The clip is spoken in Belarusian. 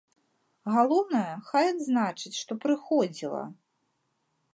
Галоўнае, хай адзначаць, што прыходзіла.